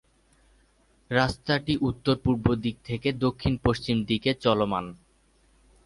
রাস্তাটি উত্তর-পূর্বদিক থেকে দক্ষিণ-পশ্চিম দিকে চলমান।